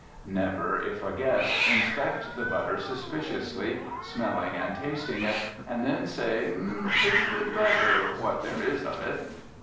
Never, if a guest, inspect the butter suspiciously, smelling and tasting it, and then say, "Pretty good butter what there is of it!"